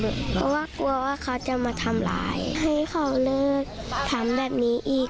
เพราะว่ากลัวว่าเขาจะมาทำร้ายให้เขาเลิกทำแบบนี้อีก